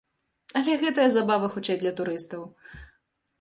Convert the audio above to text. Але гэтая забава хутчэй для турыстаў.